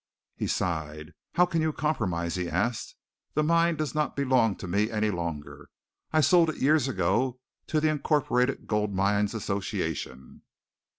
He sighed. "How can we compromise?" he asked. "The mine does not belong to me any longer. I sold it years ago to the Incorporated Gold Mines Association."